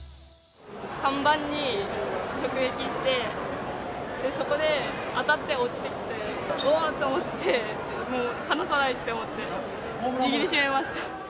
看板に直撃して、そこで当たって落ちてきて、うぉーと思って、もう離さないと思って、握りしめました。